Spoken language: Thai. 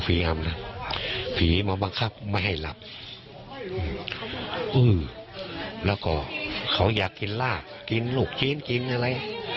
ำนะผีมาบังคับไม่ให้หลับแล้วก็เขาอยากกินลากกินลูกชิ้นกินอะไร